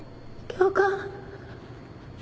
教官！